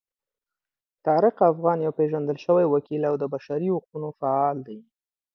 طارق افغان یو پیژندل شوی وکیل او د بشري حقونو فعال دی.